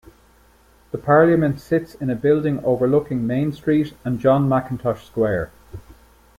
The Parliament sits in a building overlooking Main Street and John Mackintosh Square.